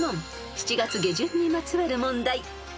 ［７月下旬にまつわる問題］